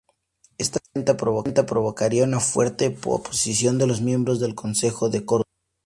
Esta venta provocaría una fuerte oposición de los miembros del concejo de Córdoba.